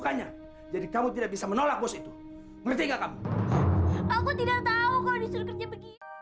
aku tidak tahu kalau disuruh kerja begitu